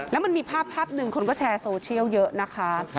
แล้วมันมีภาพหนึ่งคนก็แชร์โซเชียลเยอะนะคะ